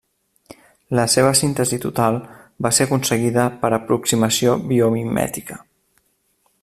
La seva síntesi total va ser aconseguida per aproximació biomimètica.